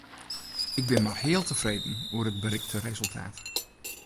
Ik bin mar heal tefreden oer it berikte resultaat.